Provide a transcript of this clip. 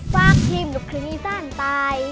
ฝากทีมหลบคลิปนี้สั้นไป